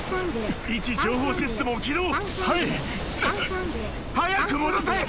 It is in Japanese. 位置情報システムを起動はいっ早く戻せ！